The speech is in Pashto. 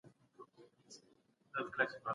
صحابه کرام زمونږ د دين مشران او امامان دي